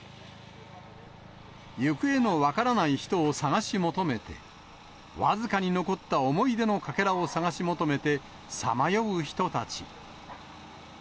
行方の分からない人を探し求めて、僅かに残った思い出のかけらを探し求めて、さまよう人たち。